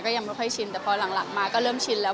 ยังไม่ค่อยชินแต่พอหลังมาก็เริ่มชินแล้ว